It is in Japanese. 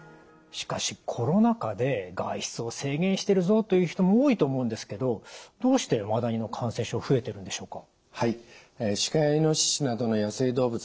しかしコロナ禍で外出を制限してるぞという人も多いと思うんですけどどうしてマダニの感染症増えてるんでしょうか？